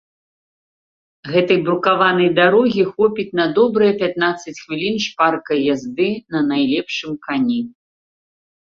Гэтай брукаванай дарогі хопіць на добрыя пятнаццаць хвілін шпаркай язды на найлепшым кані.